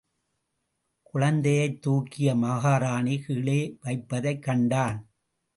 குழந்தையைத் தூக்கிய மகாராணி, கீழே வைப்பதைக் கண்டான்.